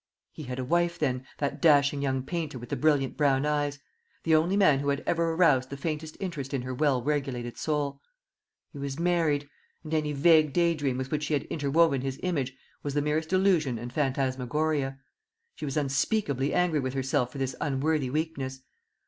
He had a wife, then, that dashing young painter with the brilliant brown eyes the only man who had ever aroused the faintest interest in her well regulated soul. He was married, and any vague day dream with which she had interwoven his image was the merest delusion and phantasmagoria. She was unspeakably angry with herself for this unworthy weakness.